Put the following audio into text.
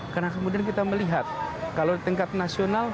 karena kemudian kita melihat kalau di tingkat nasional